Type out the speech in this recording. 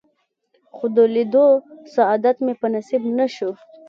خو د لیدو سعادت مې په نصیب نه شو.